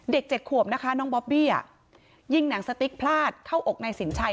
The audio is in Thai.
๗ขวบนะคะน้องบอบบี้ยิงหนังสติ๊กพลาดเข้าอกนายสินชัย